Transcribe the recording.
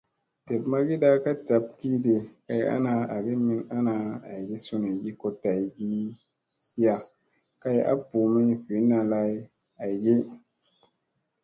Dep magiiɗa ka ɗab kiɗi kay ana, agi min ana aygi sunuygi ko tay giya kay a ɓuu mi vinna lay aygi.